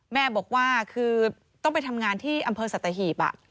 แม่บอกว่าคือต้องไปทำงานที่อำเภอสัตหีบ